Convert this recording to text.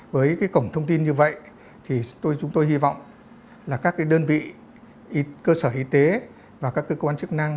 với cổng thông tin như vậy thì chúng tôi hy vọng là các đơn vị cơ sở y tế và các cơ quan chức năng